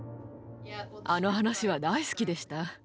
あの話は大好きでした。